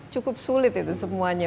cukup sulit itu semuanya